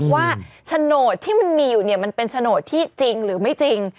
ว่าฉโนดที่มันมีอยู่มันเป็นฉโนดที่จริงหรือไม่จริง